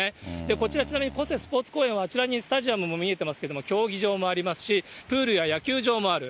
こちら、ちなみに小瀬スポーツ公園は、あちらにスタジアムも見えてますけれども、競技場もありますし、プールや野球場もある。